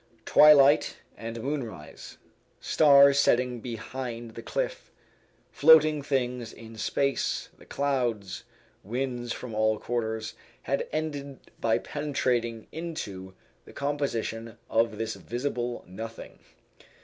Twilight and moonrise, stars setting behind the cliff, floating things in space, the clouds, winds from all quarters, had ended by penetrating into the composition of this visible nothing.